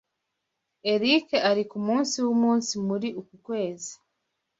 Eric ari kumunsi wumunsi muri uku kwezi.